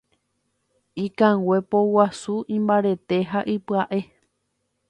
Ikangue poguasu imbarete ha ipyaʼe.